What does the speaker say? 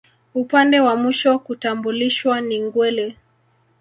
Upande wa mwisho kutambulishwa ni Ngweli